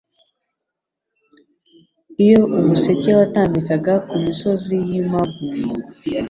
Iyo umuseke watambikaga ku misozi y i Moabu,